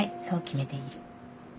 そう決めている。